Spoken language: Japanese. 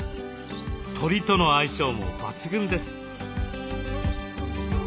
鳥との相性も抜群です。